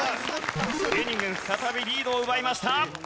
芸人軍再びリードを奪いました。